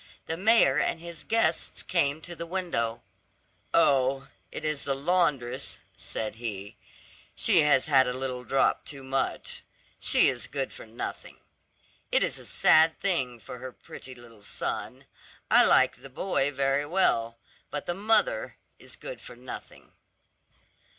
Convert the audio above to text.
The mayor and his guests came to the window. "Oh, it is the laundress," said he; "she has had a little drop too much. She is good for nothing. It is a sad thing for her pretty little son. I like the boy very well; but the mother is good for nothing."